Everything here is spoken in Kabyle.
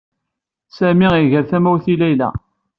Sami iger tamawt i Layla.